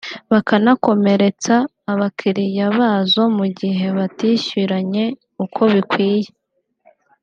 bakanakomeretsa abalkiriya bazo mu gihe batishyuranye uko bikwiye